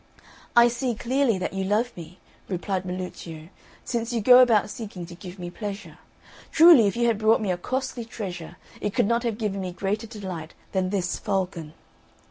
"I see clearly that you love me," replied Milluccio, "since you go about seeking to give me pleasure. Truly, if you had brought me a costly treasure, it could not have given me greater delight than this falcon."